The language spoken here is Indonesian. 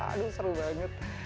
aduh seru banget